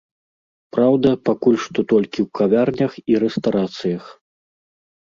Праўда, пакуль што толькі ў кавярнях і рэстарацыях.